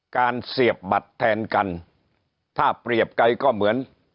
เสียบบัตรแทนกันถ้าเปรียบไกลก็เหมือน